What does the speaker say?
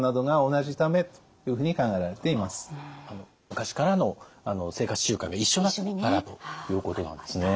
昔からの生活習慣が一緒だからということなんですね。